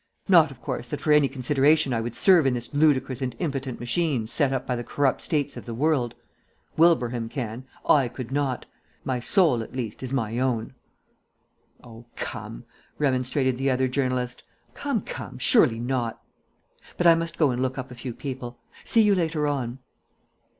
Not, of course, that for any consideration I would serve in this ludicrous and impotent machine set up by the corrupt states of the world. Wilbraham can: I could not. My soul, at least, is my own." "Oh, come," remonstrated the other journalist. "Come, come. Surely not.... But I must go and look up a few people. See you later on."